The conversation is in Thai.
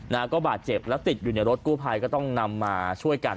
ก็บาดเจ็บแล้วติดอยู่ในรถกู้ภัยก็ต้องนำมาช่วยกัน